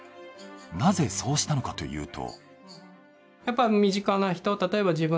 なぜそうしたのかというと。